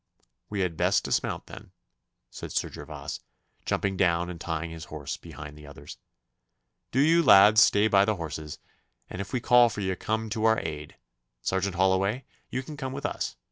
'We had best dismount, then,' said Sir Gervas, jumping down and tying his horse beside the others. 'Do you, lads, stay by the horses, and if we call for ye come to our aid. Sergeant Holloway, you can come with us.